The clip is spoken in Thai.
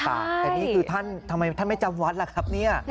แต่นี่คือท่านไม่จำวัดล่ะครับ